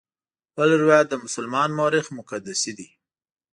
بل روایت د مسلمان مورخ مقدسي دی.